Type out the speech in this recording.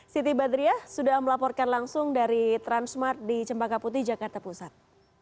siti badriah sudah melaporkan langsung dari transmart di cempaka putih jakarta pusat